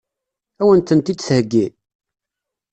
Ad wen-tent-id-theggi?